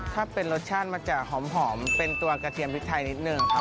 ถ้าเป็นรสชาติมันจะหอมเป็นตัวกระเทียมพริกไทยนิดนึงครับ